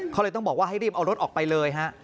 เขาเลยต้องบอกว่าให้รีบเอารถออกไปเลยฮะ